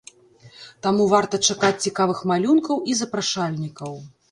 Таму варта чакаць цікавых малюнкаў і запрашальнікаў.